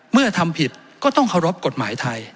ทำผิดก็ต้องเคารพกฎหมายไทย